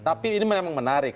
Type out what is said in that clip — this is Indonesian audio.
tapi ini memang menarik